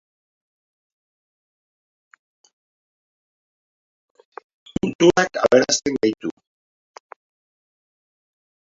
Kulturak aberasten gaitu.